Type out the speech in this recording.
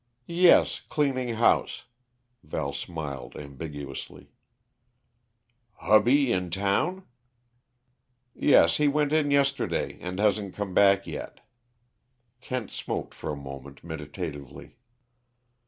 "Yes cleaning house." Val smiled ambiguously. "Hubby in town?" "Yes he went in yesterday, and hasn't come back yet." Kent smoked for a moment meditatively.